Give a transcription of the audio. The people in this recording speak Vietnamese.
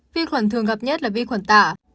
vi khuẩn thường gặp nhất là vi khuẩn tả